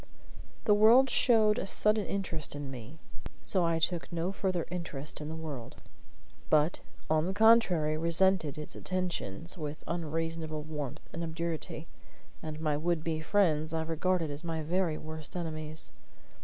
The world showed a sudden interest in me; so I took no further interest in the world, but, on the contrary, resented its attentions with unreasonable warmth and obduracy; and my would be friends I regarded as my very worst enemies.